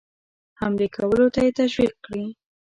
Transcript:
حملې کولو ته یې تشویق کړي.